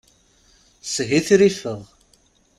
Shitrifeɣ.